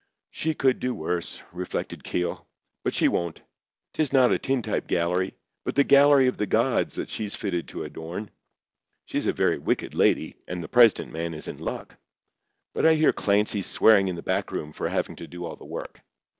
"She could do worse," reflected Keogh; "but she won't. 'Tis not a tintype gallery, but the gallery of the gods that she's fitted to adorn. She's a very wicked lady, and the president man is in luck. But I hear Clancy swearing in the back room for having to do all the work."